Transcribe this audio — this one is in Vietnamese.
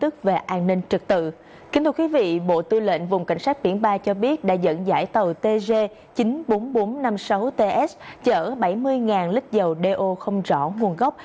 các bộ tư lệnh vùng cảnh sát biển ba cho biết đã dẫn dải tàu tg chín mươi bốn nghìn bốn trăm năm mươi sáu ts chở bảy mươi lít dầu do không rõ nguồn gốc